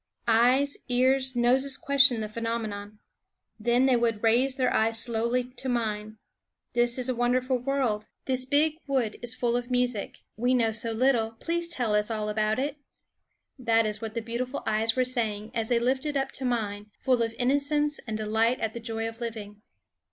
Eyes, ears, noses questioned the phenomenon. Then they would raise their eyes slowly to mine. "This is a wonderful world. This big wood is full of music. We know so little; please tell us all about it," that is what the beautiful eyes were saying as they lifted up to mine, full of innocence and delight at the joy of living.